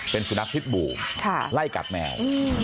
เป็นสุนัขพิษบูไล่กัดแมว